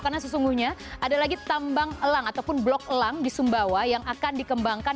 karena sesungguhnya ada lagi tambang elang ataupun blok elang di sumbawa yang akan dikembangkan